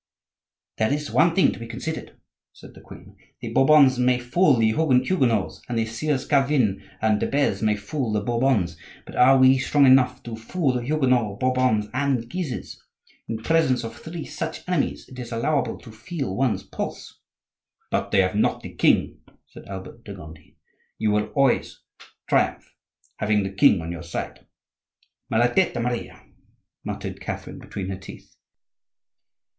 "There is one thing to be considered," said the queen. "The Bourbons may fool the Huguenots and the Sieurs Calvin and de Beze may fool the Bourbons, but are we strong enough to fool Huguenots, Bourbons, and Guises? In presence of three such enemies it is allowable to feel one's pulse." "But they have not the king," said Albert de Gondi. "You will always triumph, having the king on your side." "Maladetta Maria!" muttered Catherine between her teeth.